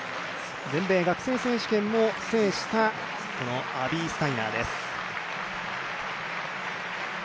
全米学生選主権を制したアビー・スタイナーです。